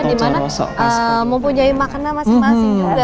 dimana mempunyai makna masing masing juga